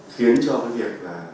khiến cho cái việc là